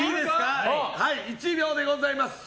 １秒でございます。